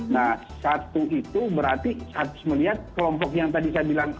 nah satu itu berarti harus melihat kelompok yang tadi saya bilang